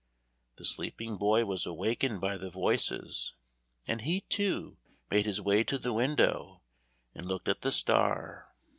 The sleeping boy was awakened by the voices, and he, too, made his way to the window and looked at the star.